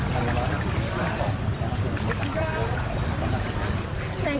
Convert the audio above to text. บอกว่าแขน